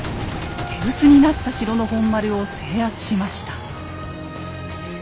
手薄になった城の本丸を制圧しました。